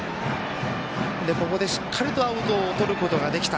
しっかりとアウトをとることができた。